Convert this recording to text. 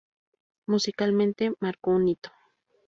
Musicalmente marcó un hito.